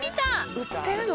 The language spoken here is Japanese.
売ってるの？